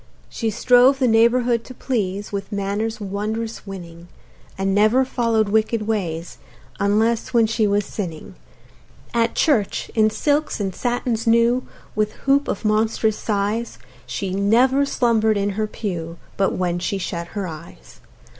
She strove the neighborhood to please With manners wondrous winning; And never follow'd wicked ways Unless when she was sinning. At church, in silks and satins new, With hoop of monstrous size, She never slumber'd in her pew But when she shut her eyes.